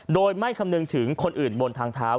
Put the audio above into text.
โดยไม่คำนึงถึงคนอื่นบนทางเท้า